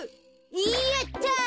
やった！